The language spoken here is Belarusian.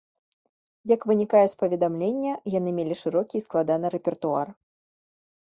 Як вынікае з паведамлення, яны мелі шырокі і складаны рэпертуар.